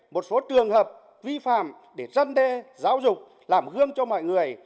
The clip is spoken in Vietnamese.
một số trường hợp vi phạm để răn đe giáo dục làm gương cho mọi người